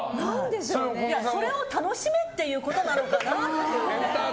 それを楽しめっていうことなのかなっていう。